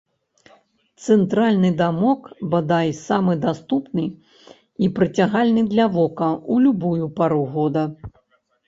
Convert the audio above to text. Цэнтральны дамок, бадай, самы даступны і прыцягальны для вока ў любую пару года.